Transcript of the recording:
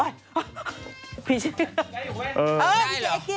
เออดิเจเอกกี้